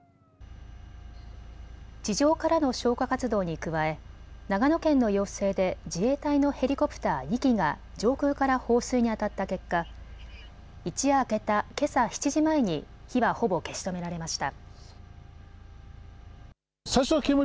地上からの消火活動に加え長野県の要請で自衛隊のヘリコプター２機が上空から放水にあたった結果、一夜明けたけさ７時前に火はほぼ消し止められました。